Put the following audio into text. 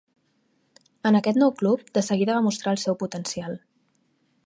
En aquest nou club, de seguida va mostrar el seu potencial.